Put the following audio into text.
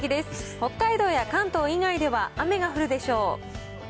北海道や関東以外では雨が降るでしょう。